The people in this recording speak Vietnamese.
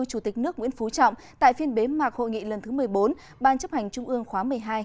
chủ tịch nước nguyễn phú trọng tại phiên bế mạc hội nghị lần thứ một mươi bốn ban chấp hành trung ương khóa một mươi hai